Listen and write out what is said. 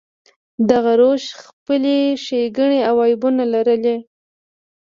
دغه روش خپلې ښېګڼې او عیبونه لرل.